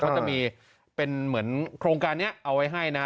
เขาจะมีเป็นเหมือนโครงการนี้เอาไว้ให้นะ